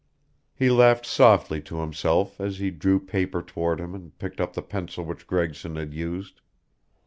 He laughed softly to himself as he drew paper toward him and picked up the pencil which Gregson had used.